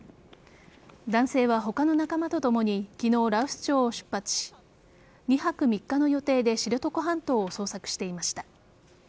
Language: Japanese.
男性は他の仲間とともに昨日、羅臼町を出発し２泊３日の予定で知床半島を捜索していました。